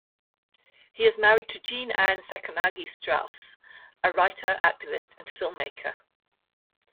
He is married to Jean Anne Sacconaghi Strauss, a writer, activist and filmmaker.